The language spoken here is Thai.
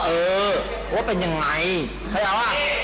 เออว่าเป็นอย่างไรใครเอา